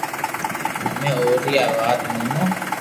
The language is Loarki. امي اوري ر وات مونو